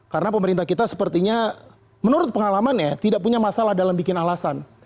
karena pemerintah kita sepertinya menurut pengalaman ya tidak punya masalah dalam bikin alasan